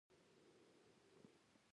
وه ګرانه احتياط احتياط.